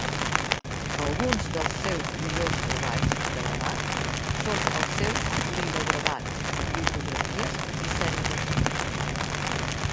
Alguns dels seus millors treballs de gravat són els seus linogravats, litografies i serigrafies.